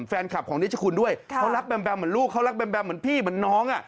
แฟนคลับของนิชคุณด้วยเขารักแมมเหมือนลูกเขารักแมมเหมือนพี่เหมือนน้องอ่ะ